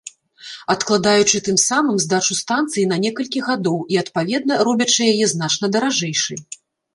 Адкладаючы тым самым здачу станцыі на некалькі гадоў і, адпаведна, робячы яе значна даражэйшай.